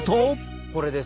これです。